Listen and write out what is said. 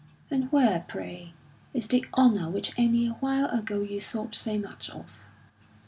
And where, pray, is the honour which only a while ago you thought so much of?"